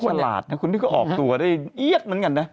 ฉลาดนะคุณนี่ก็ออกตัวได้เอี๊ยดเหมือนกันนะ